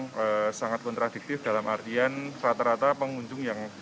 selama pembukaan di sini terutama respon dari pengunjung